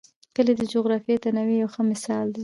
کلي د جغرافیوي تنوع یو ښه مثال دی.